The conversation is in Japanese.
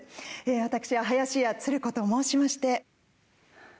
私は林家つる子と申しまして。